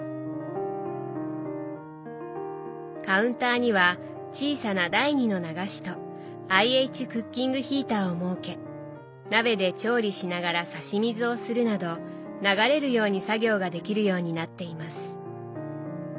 カウンターには小さな第２の流しとＩＨクッキングヒーターを設け鍋で調理しながら差し水をするなど流れるように作業ができるようになっています。